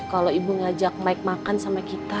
kalo ibu ngajak maik makan sama kita